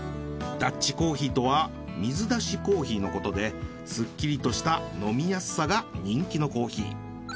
ダッチコーヒーとは水出しコーヒーのことですっきりとした飲みやすさが人気のコーヒー。